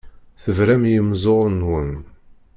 Tebram i yimeẓẓuɣen-nwen.